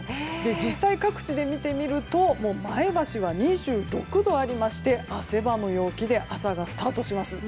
実際、各地で見てみると前橋は２６度ありまして汗ばむ陽気で朝がスタートします。